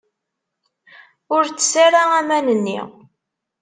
Ur ttess ara aman-nni!